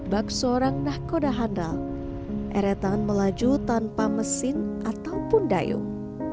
bakso orang dah kodahandal eretan melaju tanpa mesin ataupun dayung